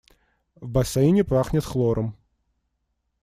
В бассейне пахнет хлором.